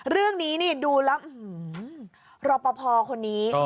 เรื่องนี้นี่ดูแล้วรอปภคนนี้